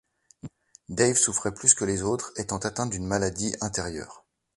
Dave souffrait plus que les autres, étant atteint d’une maladie intérieure.